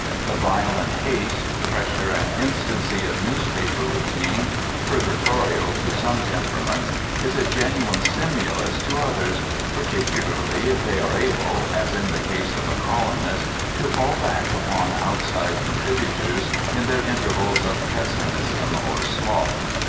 The violent haste, pressure and instancy of newspaper routine, purgatorial to some temperaments, is a genuine stimulus to others particularly if they are able, as in the case of the columnist, to fall back upon outside contributors in their intervals of pessimism or sloth.